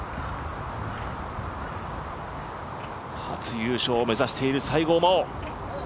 初優勝を目指している西郷真央。